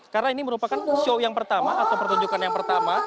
karena ini merupakan show yang pertama atau pertunjukan yang pertama